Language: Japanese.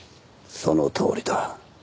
そのとおりだ。